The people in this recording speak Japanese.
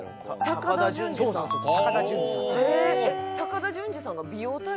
高田純次さんはね。